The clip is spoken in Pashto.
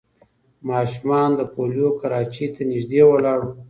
ماشومان د پولیو کراچۍ ته نږدې ولاړ وو.